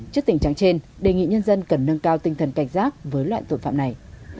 trước tình trạng trên đề nghị nhân dân cần nâng cao tinh thần cảnh giác với loại tội phạm này